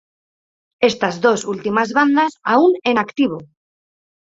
Estas dos últimas bandas aún en activo.